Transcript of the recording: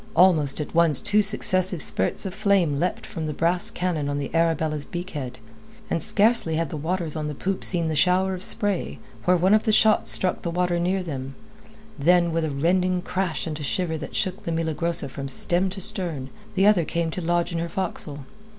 Almost at once two successive spurts of flame leapt from the brass cannon on the Arabella's beak head, and scarcely had the watchers on the poop seen the shower of spray, where one of the shots struck the water near them, then with a rending crash and a shiver that shook the Milagrosa from stem to stern, the other came to lodge in her forecastle.